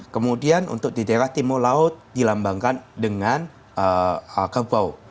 kemudian untuk di daerah timur laut dilambangkan dengan kerbau